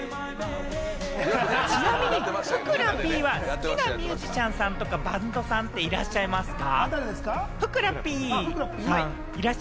ちなみに、ふくらＰは好きなミュージシャンさんとかバンドさんっていらっしゃいますか？